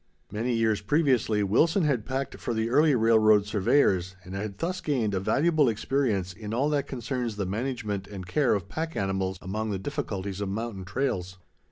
Many years previously, Wilson had packed for the early railroad surveyors, and had thus gained a valuable experience in all that concerns the management and care of pack animals among the difficulties of mountain trails.